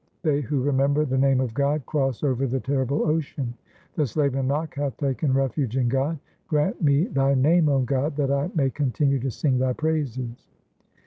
They who remember the name of God Cross over the terrible ocean. The slave Nanak hath taken refuge in God ; Grant me Thy name, 0 God, that I may continue to sing Thy praises.